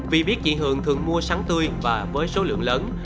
vì biết chị hường thường mua sắm tươi và với số lượng lớn